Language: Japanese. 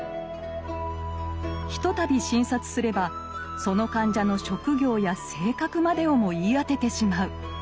ひとたび診察すればその患者の職業や性格までをも言い当ててしまう。